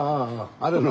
あれの。